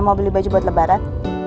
mau beli baju buat lebaran